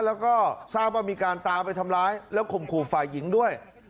แล้วก็ทราบว่ามีการตามไปทำร้ายแล้วข่มขู่ฝ่ายหญิงด้วย